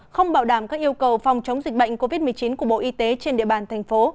không bảo đảm các yêu cầu phòng chống dịch bệnh covid một mươi chín của bộ y tế trên địa bàn thành phố